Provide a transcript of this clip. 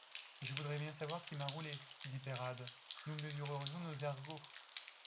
Je voudrais bien savoir qui m’a roulé, dit Peyrade, nous mesurerions nos ergots!